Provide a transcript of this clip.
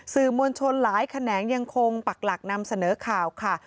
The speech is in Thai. มวลชนหลายแขนงยังคงปักหลักนำเสนอข่าวค่ะ